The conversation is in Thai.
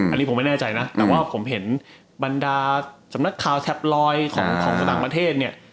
อันนี้ผมไม่แน่ใจนะแต่ว่าผมเห็นบรรดาสำนักข่าวแท็บลอยของต่างประเทศเนี่ย